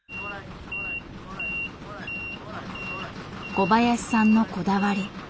小林さんのこだわり。